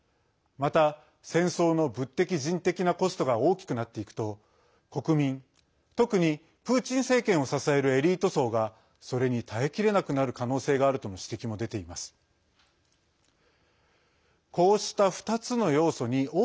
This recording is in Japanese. また、戦争の物的・人的なコストが大きくなっていくと国民、特にプーチン政権を支えるエリート層がそれに耐えきれなくなる可能性があるとの指摘も出ています。